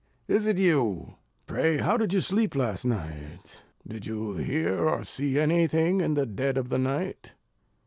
Is it you? Pray, how did you sleep last night? Did you hear or see any thing in the dead of the night?"